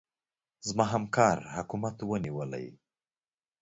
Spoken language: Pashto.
زما همکار حکومت ونيولې.